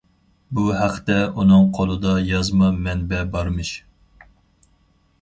بۇ ھەقتە ئۇنىڭ قولىدا يازما مەنبە بارمىش.